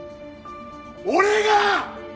俺が！！